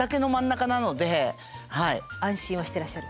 安心はしていらっしゃる？